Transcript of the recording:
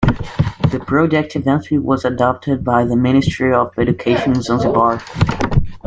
The project eventually was adopted by the Ministry of Education in Zanzibar.